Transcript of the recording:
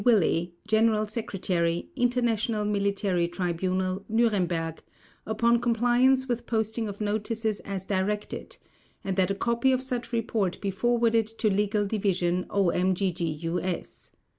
Willey, General Secretary, International Military Tribunal, Nuremberg, upon compliance with posting of notices as directed, and that a copy of such report be forwarded to Legal Division, OMGGUS.